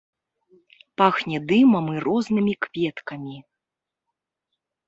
Пахне дымам і рознымі кветкамі.